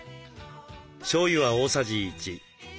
しょうゆは大さじ１。